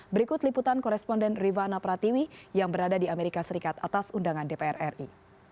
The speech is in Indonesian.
berikut liputan koresponden rifana pratiwi yang berada di amerika serikat atas undangan dpr ri